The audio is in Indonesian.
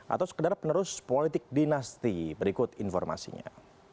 atau sekedar penerus politik dinasti berikut informasinya